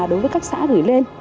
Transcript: đối với các xã gửi lên